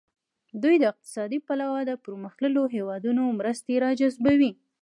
دوی د اقتصادي پلوه د پرمختللو هیوادونو مرستې را جذبوي.